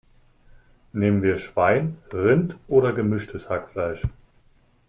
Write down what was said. Nehmen wir Schwein, Rind oder gemischtes Hackfleisch?